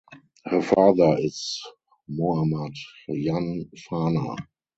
Her father is Mohammad Jan Fana.